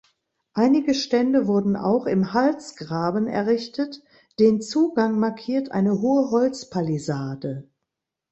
Einige Stände wurden auch im Halsgraben errichtet, den Zugang markiert eine hohe Holzpalisade.